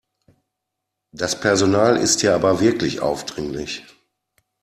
Das Personal ist hier aber wirklich aufdringlich.